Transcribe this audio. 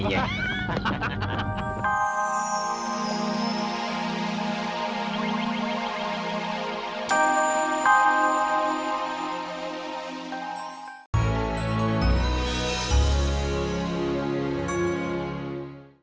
sampai jumpa lagi